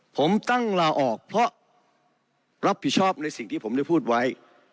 ผมตั้งลาออกเพราะรับผิดชอบในสิ่งที่ผมได้พูดไว้